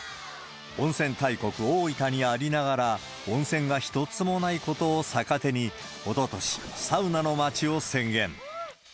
温泉大国、大分にありながら、温泉が一つもないことを逆手に、おととし、サウナのまちを宣言。